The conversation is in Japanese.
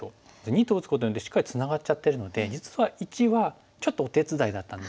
②と打つことによってしっかりツナがっちゃってるので実は①はちょっとお手伝いだったんですね。